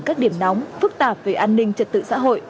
các điểm nóng phức tạp về an ninh trật tự xã hội